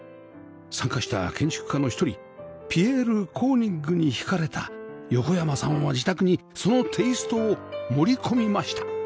参加した建築家の一人ピエール・コーニッグに引かれた横山さんは自宅にそのテイストを盛り込みました